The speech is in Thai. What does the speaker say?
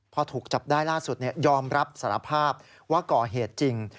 พอถูกจับได้ล่าสุดยอมรับสารภาพว่าก่อเหตุจริง